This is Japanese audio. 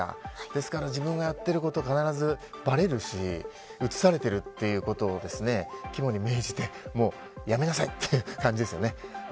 ですから、自分がやっていること必ずばれるし映されているということを肝に銘じてもうやめなさいという感じですよね。